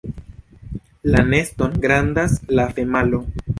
La neston gardas la femalo.